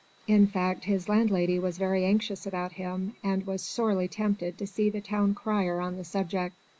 In fact his landlady was very anxious about him and was sorely tempted to see the town crier on the subject.